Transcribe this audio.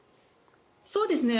そうですね。